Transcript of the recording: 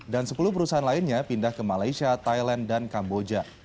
dan sepuluh perusahaan lainnya pindah ke malaysia thailand dan kamboja